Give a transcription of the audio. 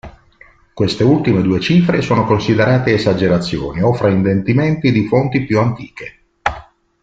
Queste ultime due cifre sono considerate esagerazioni o fraintendimenti di fonti più antiche.